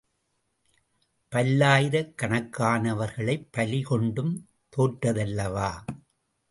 பல்லாயிரக்கணக்கானவர்களைப் பலி கொண்டும் தோற்றதல்லவா?